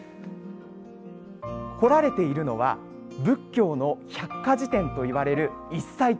彫られているのは仏教の百科事典といわれる「一切経」。